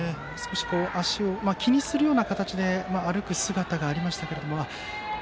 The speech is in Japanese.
足を気にするような形で歩く姿がありましたけども。